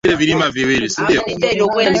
wakati Amerika ya Kusini ya leo na Afrika